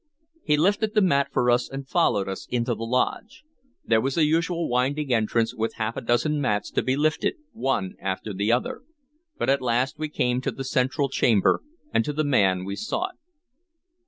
He lifted the mat for us, and followed us into the lodge. There was the usual winding entrance, with half a dozen mats to be lifted one after the other, but at last we came to the central chamber and to the man we sought.